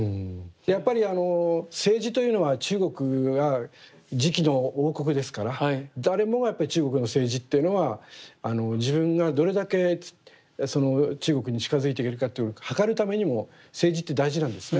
やっぱり青磁というのは中国が磁器の王国ですから誰もがやっぱり中国の青磁っていうのは自分がどれだけ中国に近づいていけるかっていうのをはかるためにも青磁って大事なんですね。